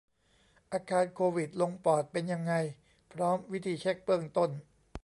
อาการโควิดลงปอดเป็นยังไง พร้อมวิธีเช็กเบื้องต้น